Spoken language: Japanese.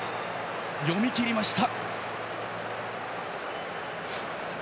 読みきりました。